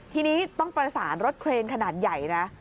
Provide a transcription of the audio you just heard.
ทีนี้ต้องประสานรถเครนขนาดใหญ่นะ